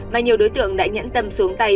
mà nhiều đối tượng đã nhẫn tâm xuống tay